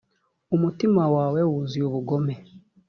umutima wawe wuzuye ubugome.